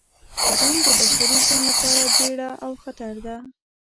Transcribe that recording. جنګ د بشري ژوند لپاره بیړه او خطر ده.